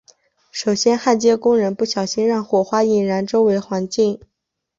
首先焊接工人不小心让火花引燃周围环境。